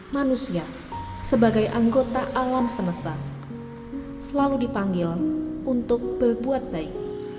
manusia sebagai anggota alam semesta selalu dipanggil untuk berbuat baik